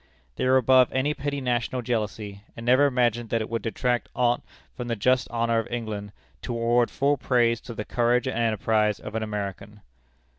They were above any petty national jealousy, and never imagined that it would detract aught from the just honor of England, to award full praise to the courage and enterprise of an American.